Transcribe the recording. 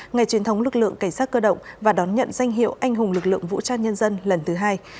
ngày truyền thống lực lượng cảnh sát cơ động và đón nhận danh hiệu anh hùng lực lượng vũ trang nhân dân lần thứ hai